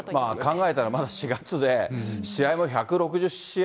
考えたら、まだ４月で、試合も１６０試合